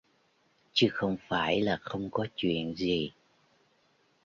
Chứ không phải là không có chuyện gì